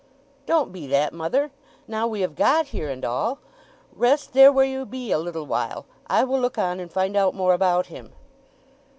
"Don't be that, mother, now we have got here and all! Rest there where you be a little while—I will look on and find out more about him."